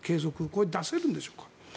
これは出せるんでしょうか？